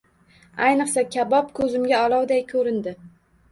Ayniqsa, kabob ko‘zimga olovday ko‘rindi.